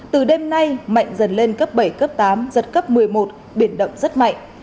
từ đêm nay mạnh dần lên cấp bảy cấp tám giật cấp một mươi một biển động rất mạnh